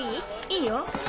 いいよ。